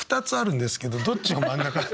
２つあるんですけどどっちが真ん中。